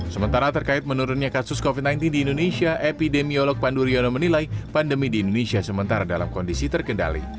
sementara terkait menurunnya kasus covid sembilan belas di indonesia epidemiolog pandu riono menilai pandemi di indonesia sementara dalam kondisi terkendali